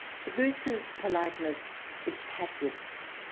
A goose's politeness is passive.